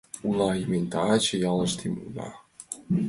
Улам мый таче ялыштем уна